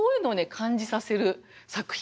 感じさせる作品。